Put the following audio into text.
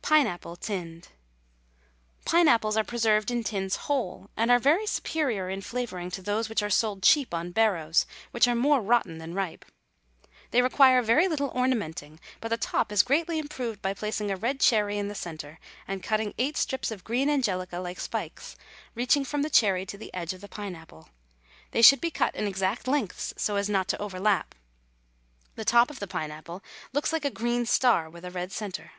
PINE APPLE, TINNED. Pine apples are preserved in tins whole, and are very superior in flavour to those which are sold cheap on barrows, which are more rotten than ripe. They require very little ornamenting, but the top is greatly improved by placing a red cherry in the centre, and cutting eight strips of green angelica like spikes, reaching from the cherry to the edge of the pine apple. They should be cut in exact lengths, so as not to overlap. The top of the pine apple looks like a green star with a red centre.